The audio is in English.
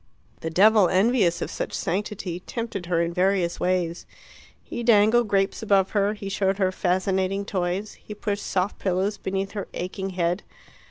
The devil, envious of such sanctity, tempted her in various ways. He dangled grapes above her, he showed her fascinating toys, he pushed soft pillows beneath her aching head.